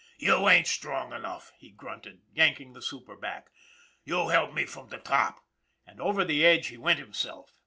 " You ain't strong enough," he grunted, yanking the super back. " You help me from the top " and over the edge he went himself.